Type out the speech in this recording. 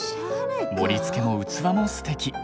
盛りつけも器もステキ。